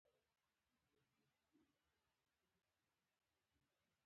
لکه دولتي بندیان داسې وو.